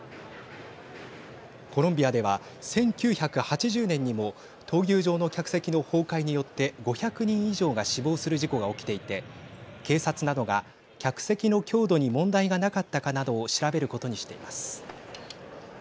コロンビアでは１９８０年にも闘牛場の客席の崩壊によって５００人以上が死亡する事故が起きていて警察などが客席の強度に問題がなかったかなどを調べることにしています。